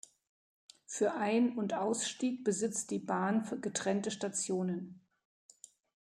Für Ein- und Ausstieg besitzt die Bahn getrennte Stationen.